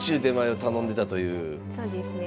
そうですね。